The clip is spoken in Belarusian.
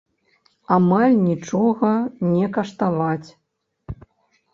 Амаль нічога не каштаваць.